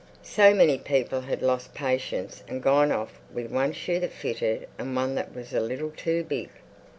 So many people had lost patience and gone off with one shoe that fitted and one that was a little too big....